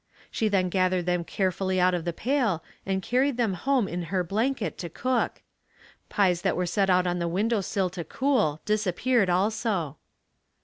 She then gathered them carefully out of the pail and carried them home in her blanket to cook. Pies that were set out on the window sill to cool disappeared also.